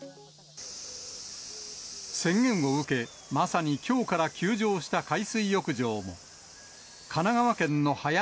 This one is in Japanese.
宣言を受け、まさにきょうから休場した海水浴場も。